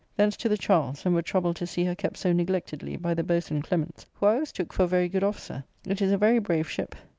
Thence to the Charles, and were troubled to see her kept so neglectedly by the boatswain Clements, who I always took for a very good officer; it is a very brave ship.